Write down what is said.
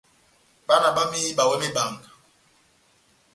Bána bamɛdɛndi ihíba iwɛ mebanga.